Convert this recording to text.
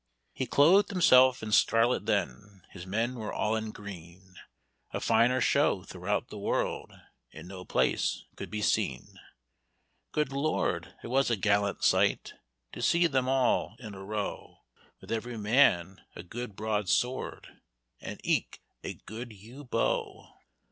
"He clothed himself in scarlet then, His men were all in green; A finer show throughout the world In no place could be seen. "Good lord! it was a gallant sight To see them all In a row; With every man a good broad sword And eke a good yew bow."